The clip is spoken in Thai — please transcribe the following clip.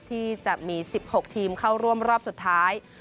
ที่จะมี๑๖ทีมเข้าร่วมรอบสุดท้าย